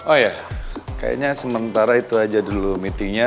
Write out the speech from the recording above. oh ya kayaknya sementara itu aja dulu meetingnya